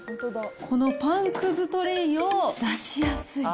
このパンくずトレイを出しやすい。